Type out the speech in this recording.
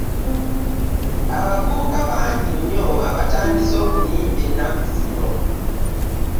Abavubuka bangi nnyo abatandise okuyimba ennaku zino.